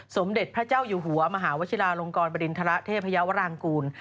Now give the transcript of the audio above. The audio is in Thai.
สมเด็จพระเจ้าอยู่หัวมหาวชิลาลงกรบริณฑระเทพยาวรางกูล